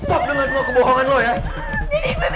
stop denger semua kebohongan lo ya